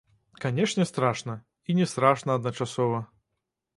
Канешне, страшна, і не страшна адначасова.